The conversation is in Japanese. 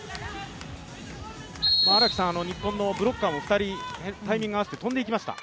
日本のブロッカーも２人タイミング合わせて跳んでいきました。